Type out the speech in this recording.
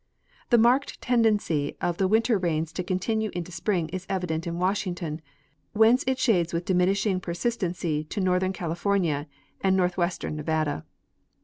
The marked tendency of the winter rains to continue into spring is evident in Washington, whence it shades with diminishing persistency to northern Cali fornia and northwestern Nevada.